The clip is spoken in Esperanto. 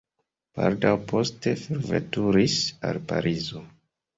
Baldaŭ poste forveturis al Parizo.